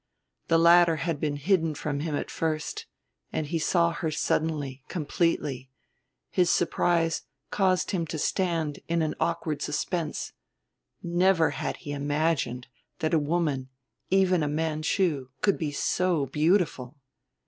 The latter had been hidden from him at first, and he saw her suddenly, completely: his surprise caused him to stand in an awkward suspense never had he imagined that a woman, even a Manchu, could be so beautiful!